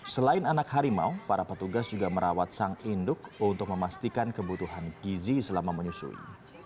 selain anak harimau para petugas juga merawat sang induk untuk memastikan kebutuhan gizi selama menyusui